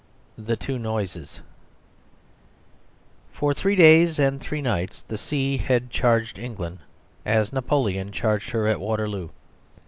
The Two Noises For three days and three nights the sea had charged England as Napoleon charged her at Waterloo.